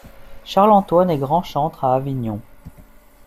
Charles-Antoine est grand-chantre à Avignon.